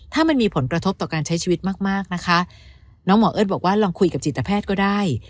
ถ้ามันมีผลกระทบต่อการใช้ชีวิตมากมากนะคะน้องหมอเอิ้นบอกว่าลองคุยกับจิตแพทย์ก็ได้